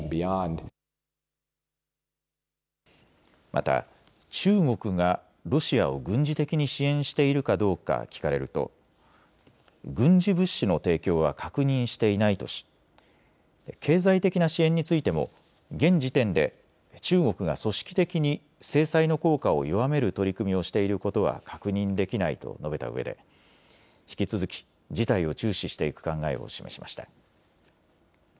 また中国がロシアを軍事的に支援しているかどうか聞かれると軍事物資の提供は確認していないとし経済的な支援についても現時点で中国が組織的に制裁の効果を弱める取り組みをしていることは確認できないと述べたうえで引き続き事態を注視していく考えを示しました。